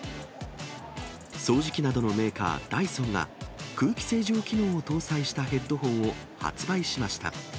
掃除機などのメーカー、ダイソンが、空気清浄機能を搭載したヘッドホンを発売しました。